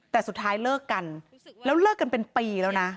แต่สุดท้ายเลิกกันแล้วเลิกกันเป็นปีแล้วนะ